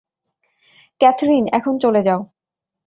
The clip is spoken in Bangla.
ক্যাথরিন, এখন চলে যাও!